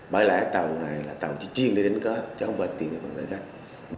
bởi lẽ tàu này là tàu chuyên để đến đó chứ không phải tìm được hành khách